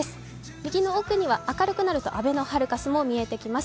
右の奥には明るくなるとあべのハルカスも見えてきます。